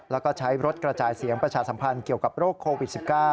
แล้วก็ใช้รถกระจายเสียงประชาสัมพันธ์เกี่ยวกับโรคโควิด๑๙